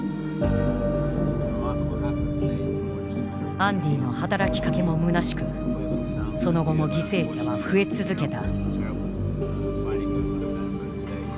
アンディの働きかけもむなしくその後も犠牲者は増え続けた。